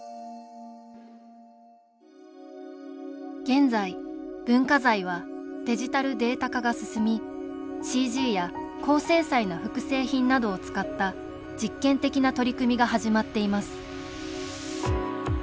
現在文化財はデジタルデータ化が進みＣＧや高精細な複製品などを使った実験的な取り組みが始まっています